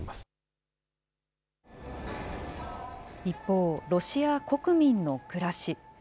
一方、ロシア国民の暮らし。